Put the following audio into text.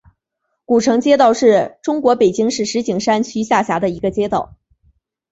古城街道是中国北京市石景山区下辖的一个街道。